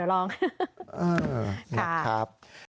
เออหลักครับ